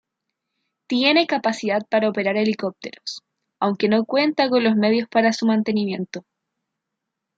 Tiene capacidad para operar helicópteros, aunque no cuenta con los medios para su mantenimiento.